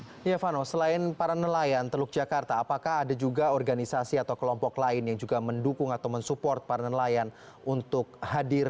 silvano selain para nelayan teluk jakarta apakah ada juga organisasi atau kelompok lain yang juga mendukung atau mensupport para nelayan untuk hadir